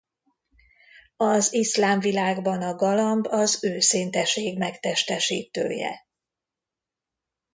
Az iszlám világban a galamb az őszinteség megtestesítője.